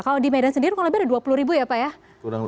kalau di medan sendiri kurang lebih ada dua puluh ribu ya pak ya